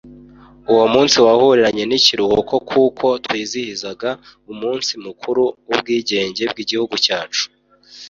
Uwo munsi wahuriranye n'ikiruhuko kuko twizihizaga umunsi mukuru w'ubwigenge bw'Igihugu cyacu.